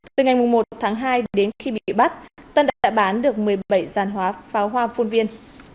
từ ngày một tháng hai đến khi bị bắt tân đã bán được một mươi bảy dàn pháo hoa phun viên